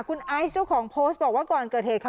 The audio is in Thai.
คุณไอซ์เจ้าของโพสต์บอกว่าก่อนเกิดเหตุค่ะ